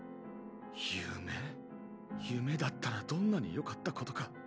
夢だったらどんなによかったことか。